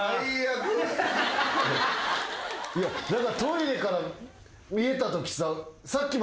だからトイレから見えたときさ。